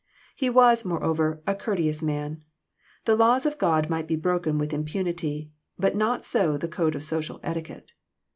He was, moreover, a courteous man. The laws of God might be broken with impunity, but not so the code of social etiquette.